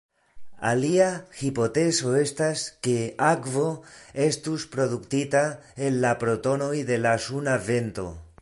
Alia hipotezo estas, ke akvo estus produktita el la protonoj de la suna vento.